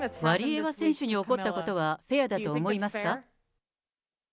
ワリエワ選手に起こったことは、フェアだと思いますか？